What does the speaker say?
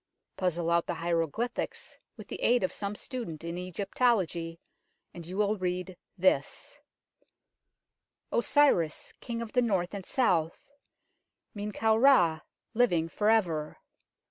Puzzle out the hieroglyphics with the aid of some student in Egyptology, and you will read this " Osiris, King of the North and South, Men kau Ra, living for ever.